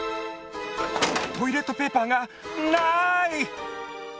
トイレットペーパーがない！